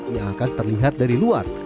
yang akan terlihat dari luar